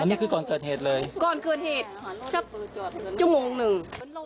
อันนี้คือก่อนเกิดเหตุเลยก่อนเกิดเหตุสักชั่วโมงหนึ่ง